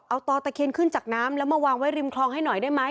เอาตอตะเคียนขึ้นจากน้ำแล้วมาวางไว้ริมคลองให้หน่อยได้ไหม